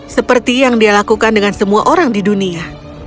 seperti yang dia lakukan dengan semua orang di dunia